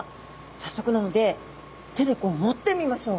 早速なので手でこう持ってみましょう。